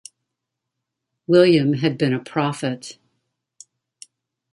William had been a prophet.